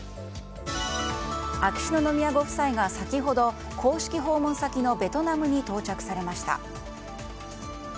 秋篠宮ご夫妻が先ほど公式訪問先のベトナムに到着されました。